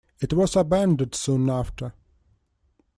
It was abandoned soon after.